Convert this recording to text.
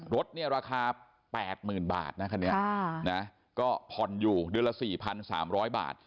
รถเนี่ยราคา๘๐๐๐บาทนะคันนี้นะก็ผ่อนอยู่เดือนละ๔๓๐๐บาท